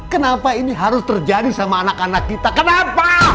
kenapa ini harus terjadi sama anak anak kita kenapa